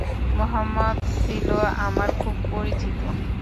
মুহাম্মাদ ছিল আমার খুব পরিচিত।